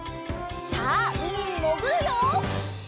さあうみにもぐるよ！